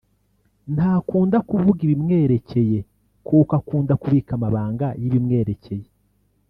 ntakunda kuvuga ibimwerekeye kuko akunda kubika amabanga y’ibimwerekeye